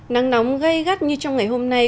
nắng nóng gây gắt như trong ngày hôm nay